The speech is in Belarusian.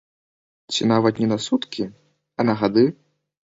Ці нават не на суткі, а на гады?